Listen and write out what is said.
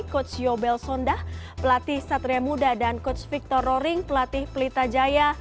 coach yobel sondah pelatih satria muda dan coach victor roring pelatih pelita jaya